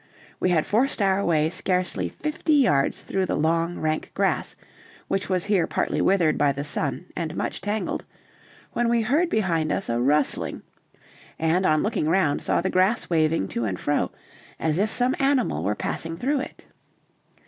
We had forced our way scarcely fifty yards through the long rank grass, which was here partly withered by the sun and much tangled, when we heard behind us a rustling, and on looking round saw the grass waving to and fro, as if some animal were passing through it.